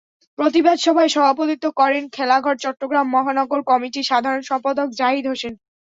প্রতিবাদ সভায় সভাপতিত্ব করেন খেলাঘর চট্টগ্রাম মহানগর কমিটির সাধারণ সম্পাদক জাহিদ হোসেন।